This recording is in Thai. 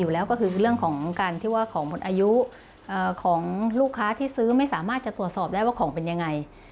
ลูกค้าที่ซื้อไม่สามารถจะตรวจสอบได้ว่าของเป็นอย่างไร